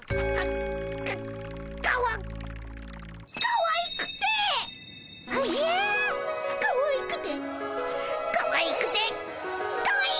かわいくてかわいくてかわいい！